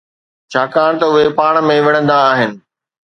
ڇاڪاڻ ته اهي پاڻ ۾ وڙهندا آهن